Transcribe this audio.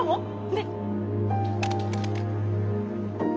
ねっ？